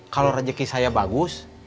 kalau rejeki saya bagus